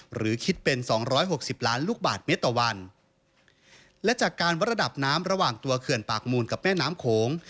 หรือคิดเป็นสองร้อยหกสิบล้านลูกบาทเมตรต่อวันและจากการวัดระดับน้ำระหว่างตัวเขื่อนปากมูลกับแม่น้ำโขง